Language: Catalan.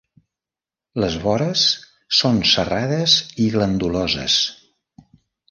Les vores són serrades i glanduloses.